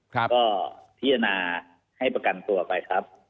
ครับก็พิจารณาให้ประกันตัวออกไปครับ